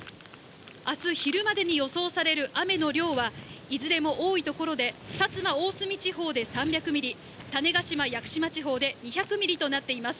あす昼までに予想される雨の量は、いずれも多い所で薩摩・大隅地方で３００ミリ、種子島・屋久島地方で２００ミリとなっています。